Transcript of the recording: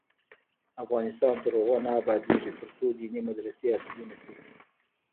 افغانستان تر هغو نه ابادیږي، ترڅو دیني مدرسې عصري نشي.